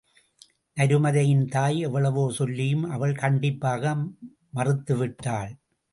நருமதையின் தாய் எவ்வளவோ சொல்லியும் அவள் கண்டிப்பாக மறுத்து விட்டாள்.